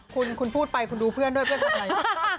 คุณพูดไปคุณดูเพื่อนด้วยเพื่อนทำอะไร